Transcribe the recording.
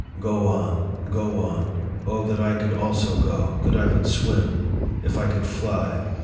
Go on, go on. O that I could also go ! Could I but swim ! If I could fly